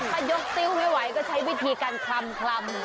ถ้ายกซิ้วไม่ไหวก็ใช้วิธีการคลำ